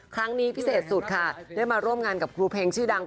พิเศษสุดค่ะได้มาร่วมงานกับครูเพลงชื่อดัง